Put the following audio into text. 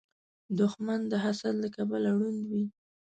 دښمن د حسد له کبله ړوند وي